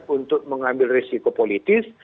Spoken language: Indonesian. untuk mengambil risiko politis